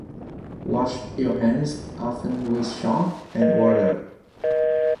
Wash your hands often with soap and water